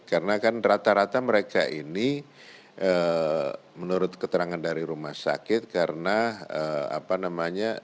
karena kan rata rata mereka ini menurut keterangan dari rumah sakit karena apa namanya